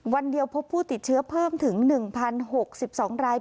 วันเดียวพบผู้ติดเชื้อเพิ่มถึง๑๐๖๒ราย